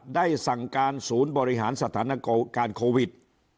ได้สั่งการศูนย์บริหารสถานการณ์โควิด